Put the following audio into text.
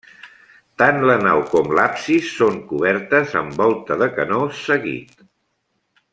Tant la nau com l'absis són cobertes amb volta de canó seguit.